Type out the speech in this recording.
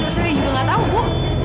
saya juga gak tahu bu